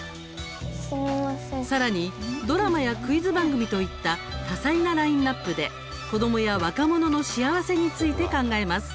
さらにドラマやクイズ番組といった多彩なラインナップで子どもや若者の幸せについて考えます。